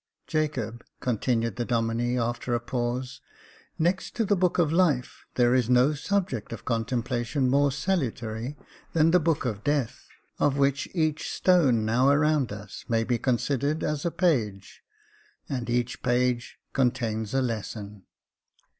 " Jacob," continued the Domine after a pause, " next to the book of life, there is no subject of contemplation more salutary than the book of death, of which each stone now around us may be considered as a page, and each page contains a lesson.